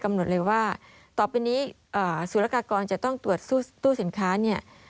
หมดเลยว่าต่อไปนี้สุรกากรจะต้องตรวจตู้สินค้าเนี่ย